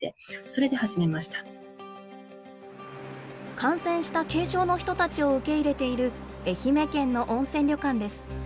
感染した軽症の人たちを受け入れている愛媛県の温泉旅館です。